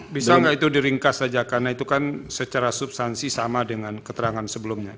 bisa nggak itu diringkas saja karena itu kan secara substansi sama dengan keterangan sebelumnya